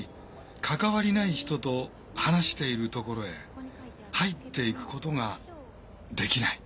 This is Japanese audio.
関わりない人と話しているところへ入っていくことができない。